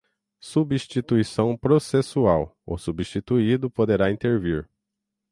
substituição processual, o substituído poderá intervir